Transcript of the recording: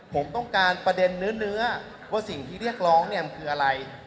ผมต้องการประเด็นเนื้อว่าสิ่งที่เรียกร้องเนี่ยมันคืออะไร